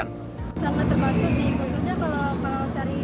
sangat terbantu sih maksudnya kalau cari sendiri